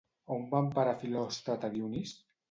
On va emparar Filòstrat a Dionís?